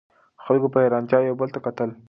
خلکو په حیرانتیا یو بل ته کتل.